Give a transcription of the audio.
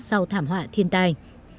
sau thảm họa thiên tài